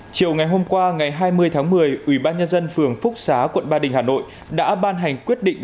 chiều ngày hôm qua ngày hai mươi tháng một mươi ủy ban nhân dân phường phúc xá quận ba đình hà nội đã ban hành quyết định